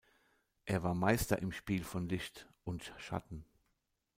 Er war Meister im Spiel von Licht und Schatten.